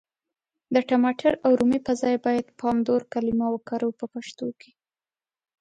د ټماټر او رومي پر ځای بايد پامدور کلمه وکاروو په پښتو کي.